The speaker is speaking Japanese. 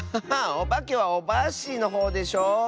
おばけはオバッシーのほうでしょ。